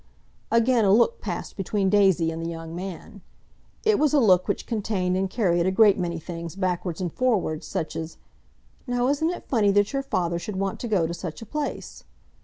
Again a look passed between Daisy and the young man—it was a look which contained and carried a great many things backwards and forwards, such as—"Now, isn't it funny that your father should want to go to such a place?